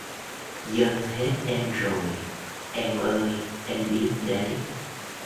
Dâng hết em rồi, em ơi em biết đấy